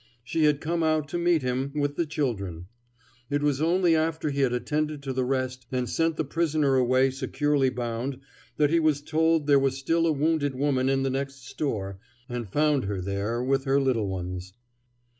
She had come out to meet him, with the children. It was only after he had attended to the rest and sent the prisoner away securely bound that he was told there was still a wounded woman in the next store, and found her there with her little ones.